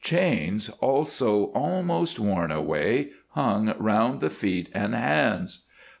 Chains, also almost worn away, hung round the feet and hands.